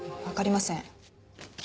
わかりません。